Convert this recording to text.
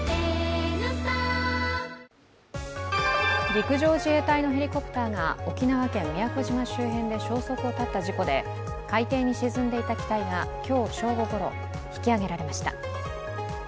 陸上自衛隊のヘリコプターが沖縄県宮古島周辺で消息を絶った事故で、海底に沈んでいた機体が今日正午ごろ、引き揚げられました。